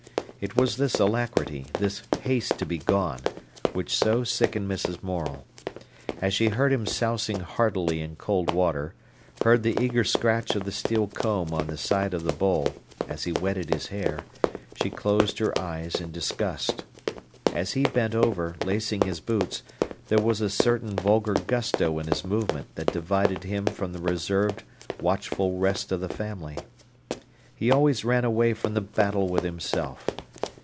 It was this alacrity, this haste to be gone, which so sickened Mrs. Morel. As she heard him sousing heartily in cold water, heard the eager scratch of the steel comb on the side of the bowl, as he wetted his hair, she closed her eyes in disgust. As he bent over, lacing his boots, there was a certain vulgar gusto in his movement that divided him from the reserved, watchful rest of the family. He always ran away from the battle with himself.